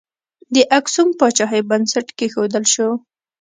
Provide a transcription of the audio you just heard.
د اکسوم پاچاهۍ بنسټ کښودل شو.